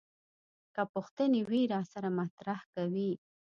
که پوښتنې وي راسره مطرح کوي.